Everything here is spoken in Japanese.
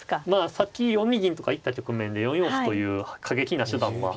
さっき４二銀とか行った局面で４四歩という過激な手段もあったんですけれど。